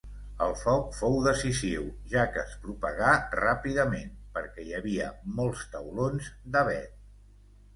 El foc fou decisiu, ja que es propagà ràpidament, perquè hi havia molts taulons d'avet.